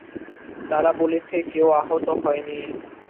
তারা বলেছে কেউ আহত হয়নি।